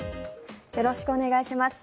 よろしくお願いします。